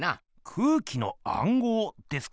空気のあんごうですか？